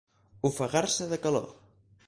Ofegar-se de calor.